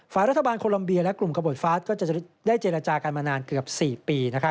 ฝ่ายรัฐบาลโคลัมเบียและกลุ่มกระบดฟาสก็จะได้เจรจากันมานานเกือบ๔ปี